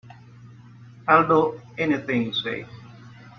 I'll do anything you say.